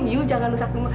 you jangan usah